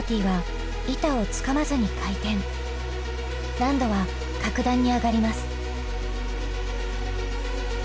難度は格段に上がります。